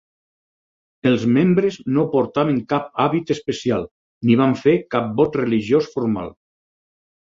Els membres no portaven cap hàbit especial ni van fer cap vot religiós formal.